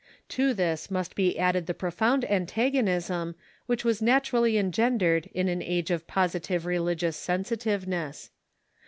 To this must be added the profound an tagonism which was naturally engendered in an age of posi itive religious sensitiveness.